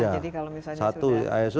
jadi kalau misalnya sudah